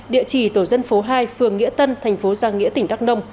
địa chỉ tổ dân phố hai phường nghĩa tân thành phố giang nghĩa tỉnh đắk nông